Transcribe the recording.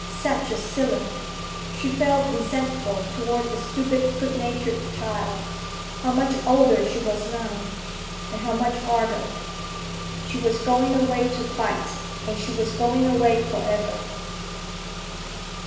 Such a silly! She felt resentful toward that stupid, good natured child. How much older she was now, and how much harder! She was going away to fight, and she was going away forever.